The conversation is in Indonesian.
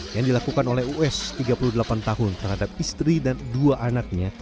yang dilakukan oleh us tiga puluh delapan tahun terhadap istri dan dua anaknya